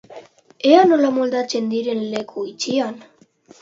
Ea nola moldatzen diren leku itxian!